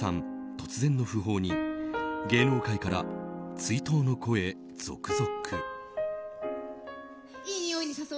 突然の訃報に芸能界から追悼の声、続々。